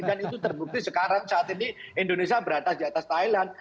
dan itu terbukti sekarang saat ini indonesia berada di atas thailand